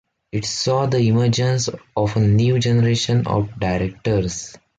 It saw the emergence of a new generation of directors.